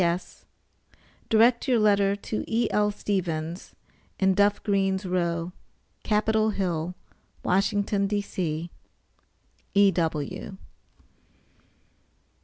P.S. Direct your letter to E.L. Stevens, in Duff Green's Row, Capitol Hill, Washington, D.C. E.W.